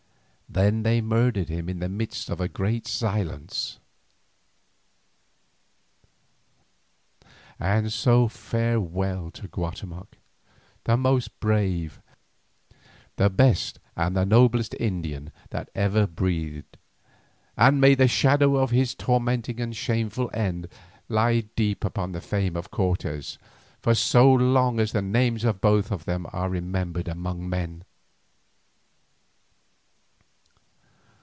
Then they murdered him in the midst of a great silence. And so farewell to Guatemoc, the most brave, the best and the noblest Indian that ever breathed, and may the shadow of his tormentings and shameful end lie deep upon the fame of Cortes for so long as the names of both of them are remembered among men!